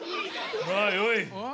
まあよい。